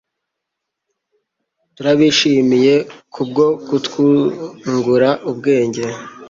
Turabishimiye Kubwo Kutwungura Ubwenge